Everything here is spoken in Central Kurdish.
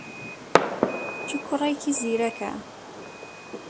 چ کوڕێکی زیرەکە!